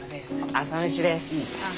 朝飯です。